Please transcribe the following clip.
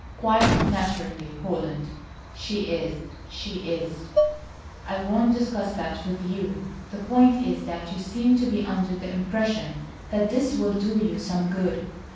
"Quite naturally, Holland. She is, she is." "I won't discuss that with you. The point is that you seem to be under the impression that this will do you some good.